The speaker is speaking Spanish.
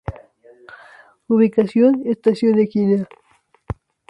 Ubicación: Estación Equina.